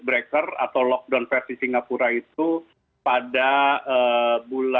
jadi kalau kita lihat singapura itu masih berada di tempat tempat yang lebih ketat